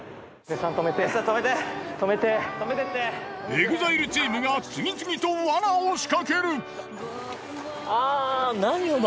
ＥＸＩＬＥチームが次々と罠を仕掛ける。